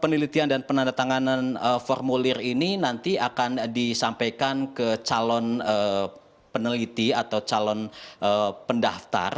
penelitian dan penandatanganan formulir ini nanti akan disampaikan ke calon peneliti atau calon pendaftar